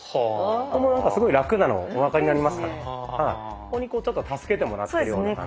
ここに助けてもらってるような感じ。